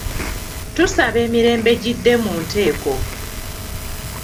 Tusaba emirembe gidde mu nteeko.